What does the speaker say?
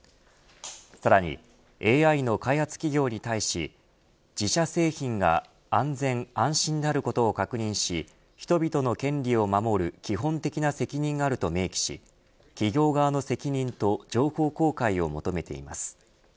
さらにＡＩの開発企業に対し自社製品が安全安心であることを確認し人々の権利を守る基本的な責任があると明記し企業側の責任と情報公開を求めています。